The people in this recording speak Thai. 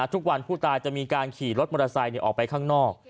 ทุกวันผู้ตายจะมีการขี่รถมอเตอร์ไซค์ออกไปข้างนอก